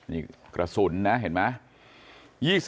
นี่กระสุนนะเห็นมั้ย